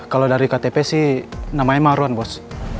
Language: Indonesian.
kalau dari ktp sih namanya maruan bos